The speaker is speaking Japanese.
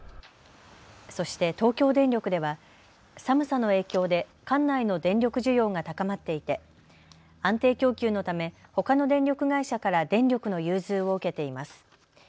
そして東京電力では寒さの影響で管内の電力需要が高まっていて安定供給のためほかの電力会社から電力の融通を受けています。